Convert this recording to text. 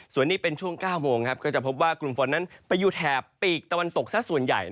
ส่วนนี้เป็นช่วง๙โมงครับก็จะพบว่ากลุ่มฝนนั้นไปอยู่แถบปีกตะวันตกซะส่วนใหญ่